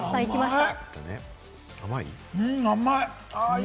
甘い！